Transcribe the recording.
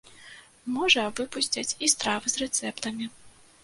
Можа, выпусцяць і стравы з рэцэптамі.